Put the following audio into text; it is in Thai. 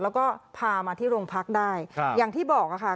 แล้วก็พามาที่โรงพักได้อย่างที่บอกค่ะ